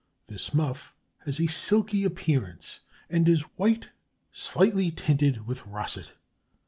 This muff has a silky appearance and is white slightly tinted with russet.